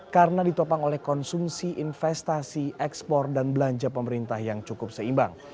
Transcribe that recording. karena ditopang oleh konsumsi investasi ekspor dan belanja pemerintah yang cukup seimbang